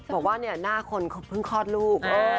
บอกว่าเนี่ยหน้าคนเขาเพิ่งคลอดลูก